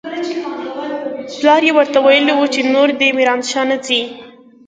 پلار يې ورته ويلي و چې نور دې ميرانشاه نه ځي.